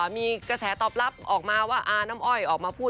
มีกระแสตอบรับออกมาว่าอาน้ำอ้อยออกมาพูด